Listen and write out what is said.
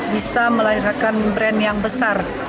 bisa melahirkan brand yang besar